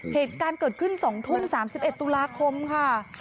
เหตุการณ์เกิดขึ้น๒ทุ่ม๓๑ตุลาคมค่ะ